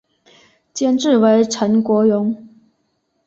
监制为岑国荣。